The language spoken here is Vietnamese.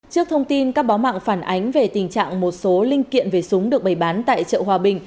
trước thông tin các báo mạng phản ánh về tình trạng một số linh kiện về súng được bày bán tại chợ hòa bình